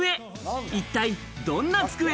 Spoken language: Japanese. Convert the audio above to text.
一体どんな机？